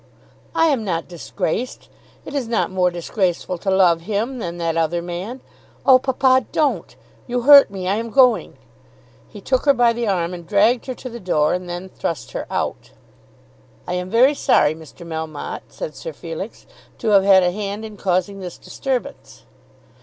"I am not disgraced. It is not more disgraceful to love him than that other man. Oh, papa, don't. You hurt me. I am going." He took her by the arm and dragged her to the door, and then thrust her out. "I am very sorry, Mr. Melmotte," said Sir Felix, "to have had a hand in causing this disturbance."